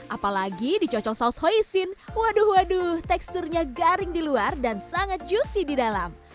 apalagi dicocok saus hoisin waduh waduh teksturnya garing di luar dan sangat juicy di dalam